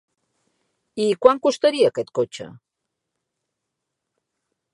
I quant costaria aquest cotxe?